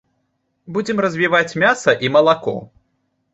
Будзем развіваць мяса і малако.